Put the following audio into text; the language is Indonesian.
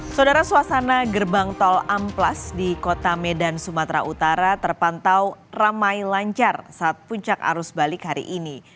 saudara suasana gerbang tol amplas di kota medan sumatera utara terpantau ramai lancar saat puncak arus balik hari ini